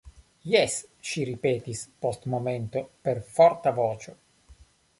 Jes, ŝi ripetis post momento per forta voĉo.